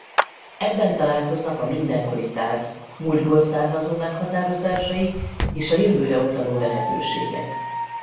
Ebben találkoznak a mindenkori tárgy múltból származó meghatározásai és a jövőre utaló lehetőségek.